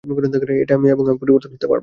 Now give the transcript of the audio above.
এটাই আমি, আর আমি পরিবর্তন হতে পারব না।